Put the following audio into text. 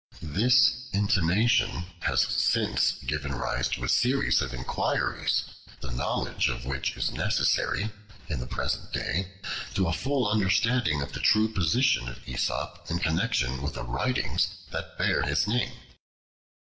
This intimation has since given rise to a series of inquiries, the knowledge of which is necessary, in the present day, to a full understanding of the true position of Aesop in connection with the writings that bear his name.